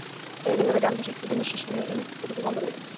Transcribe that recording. একইভাবে ডান পাশের ফুটো দিয়ে নিশ্বাস নিয়ে ফুটোটি বন্ধ করে দিন।